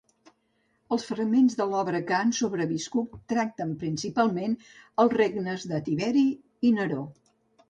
Els fragments de l'obra que han sobreviscut tracten principalment els regnes de Tiberi i Neró.